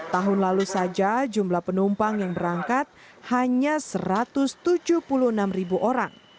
tahun lalu saja jumlah penumpang yang berangkat hanya satu ratus tujuh puluh enam ribu orang